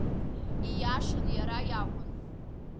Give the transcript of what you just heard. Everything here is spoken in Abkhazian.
Ииашан, иара иакәын.